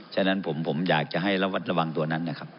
ฉะนั้นผมอยากจะให้ระวัดระวังตัวนั้นนะครับ